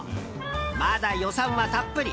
まだ予算はたっぷり。